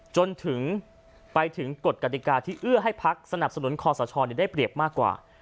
จนถึงไปถึงกฎกติกาที่เอื้อให้พักสนับสนุนคอสชได้เปรียบมากกว่า